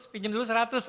pinjam dulu seratus